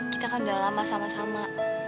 kita kan udah lama sama sama